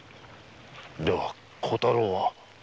では小太郎は？